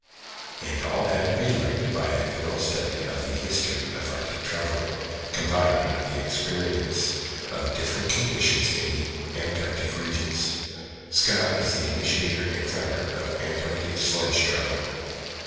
All had to be learnt by a thorough study of the history of Arctic travelling, combined with experience of different conditions in the Antarctic Regions. Scott was the initiator and founder of Antarctic sledge travelling.